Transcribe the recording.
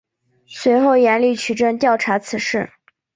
随后严厉取证调查此事。